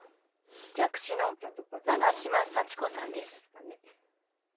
弱視の永島幸子さんです。